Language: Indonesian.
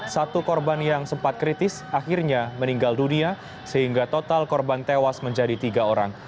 satu korban yang sempat kritis akhirnya meninggal dunia sehingga total korban tewas menjadi tiga orang